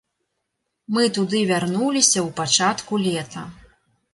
Мы туды вярнуліся ў пачатку лета.